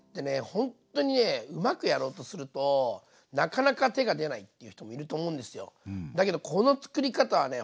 ほんっとにねうまくやろうとするとなかなか手が出ないっていう人もいると思うんですよ。だけどこの作り方はね